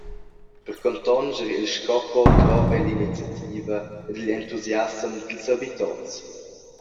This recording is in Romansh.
Per contonscher il scopo drovi ei l’iniziativa ed igl entusiassem dils habitonts.